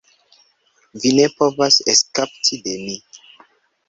Vi ne povas eskapi de mi.